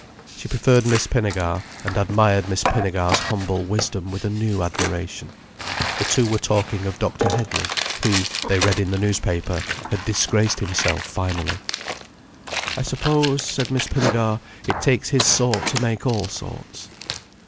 She preferred Miss Pinnegar, and admired Miss Pinnegar's humble wisdom with a new admiration. The two were talking of Dr. Headley, who, they read in the newspaper, had disgraced himself finally. "I suppose," said Miss Pinnegar, "it takes his sort to make all sorts."